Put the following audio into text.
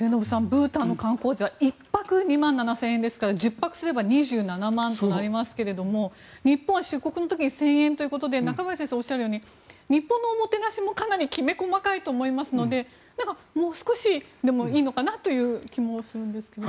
ブータンの観光地は１泊２万７０００円ですから１０泊すれば２７万円になりますけども日本は出国の時に１０００円ということで中林先生がおっしゃるように日本のおもてなしもかなりきめ細かいと思いますのでもう少しでもいいのかなという気もするんですが。